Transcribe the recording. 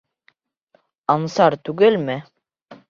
Ансар түгелме?